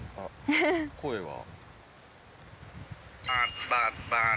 声は？